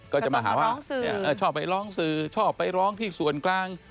ก็จะมาหาว่าชอบไปร้องสื่อชอบไปร้องที่ส่วนกลาง